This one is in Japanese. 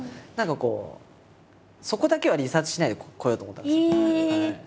そこだけはリサーチしないで来ようと思ったんですよ。